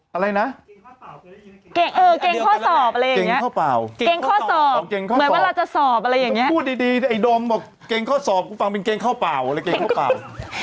เกรงข้อสอบอะไรอย่างเงี้ยเกรงข้อสอบเกรงข้อสอบเกรงข้อสอบเกรงข้อสอบ